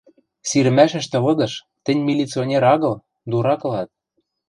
Сирмӓшӹштӹ лыдыш «Тӹнь милиционер агыл, дурак ылат».